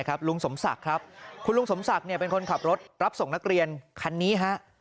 คุณลุงสมศักดิ์ครับคุณลุงสมศักดิ์เป็นคนขับรถรับส่งนักเรียนคันนี้ฮะ